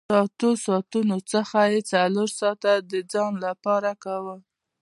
له اتو ساعتونو څخه یې څلور ساعته د ځان لپاره کول